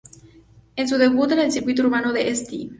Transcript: En su debut en el circuito urbano de St.